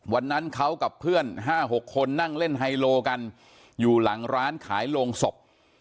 วันนั้นเขากับเพื่อน๕๖คนนั่งเล่นไฮโลกันอยู่หลังร้านขายโรงศพ